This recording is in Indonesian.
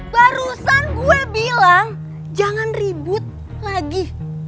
barusan gue bilang jangan ribut lagi